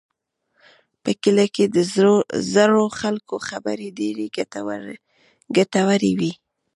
په کلي کې د زړو خلکو خبرې ډېرې ګټورې وي.